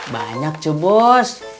banyak cu bos